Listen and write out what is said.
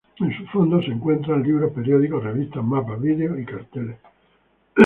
En sus fondos se encuentran libros, periódicos, revistas, mapas, vídeos y carteles.